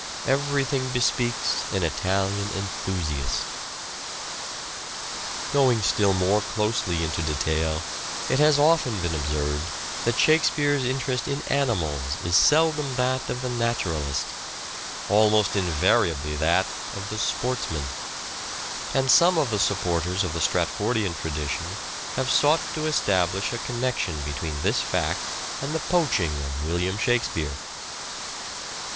Everything bespeaks an Italian enthusiast. Sport. Going still more closely into detail, it has often been SPECIAL CHARACTERISTICS 123 observed that Shakespeare's interest in animals is seldom that of the naturalist, almost invariably that of the sportsman ; and some of the supporters of the Stratfordian tradition have sought to establish a connection between this fact and the poaching of William Shakspere.